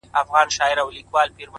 مثبت فکرونه انرژي زیاتوي’